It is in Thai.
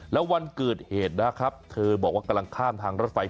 แล้ววันเกิดเหตุนะครับเธอบอกว่ากำลังข้ามทางรถไฟ